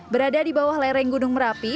berada di bawah lereng gunung merapi